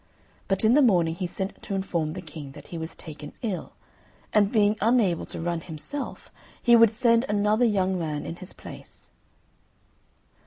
But in the morning he sent to inform the King that he was taken ill, and being unable to run himself he would send another young man in his place.